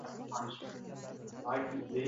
Biroq pari